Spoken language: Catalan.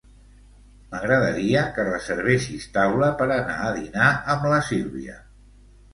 M'agradaria que reservessis taula per anar a dinar amb la Sílvia.